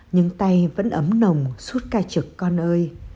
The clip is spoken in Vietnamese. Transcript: nhưng tay vẫn ấm nồng suốt ca trực con ơi